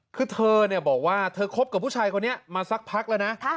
คือเธอบอกว่าเธอคบกับผู้ชายคนนี้มาสักพักแล้วนะ